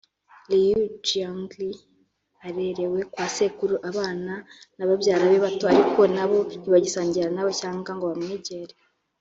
Liu Jiangli arerewe kwa sekuru abana na babyara be bato ariko nabo ntibasangira nawe cyangwa ngo bamwegere